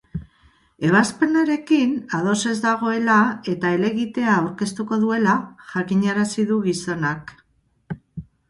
Ebazpenarekin ados ez dagoela eta helegitea aurkeztuko duela jakinarazi du gizonak.